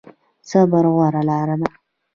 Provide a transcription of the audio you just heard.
صبر غوره لاره ده